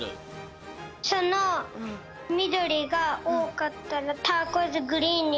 そのみどりがおおかったらターコイズグリーンになるんだよ。